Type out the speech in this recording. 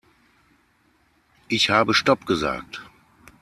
Ich habe stopp gesagt.